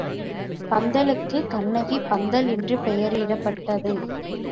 பந்தலுக்கு கண்ணகி பந்தல் என்று பெயரிடப்பட்டது.